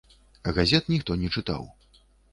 Газет ніхто не чытаў.